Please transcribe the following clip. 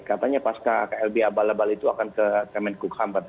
katanya pas ke lb abal abal itu akan ke kemenkuk khambat